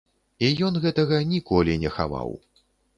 І ён гэтага ніколі не хаваў.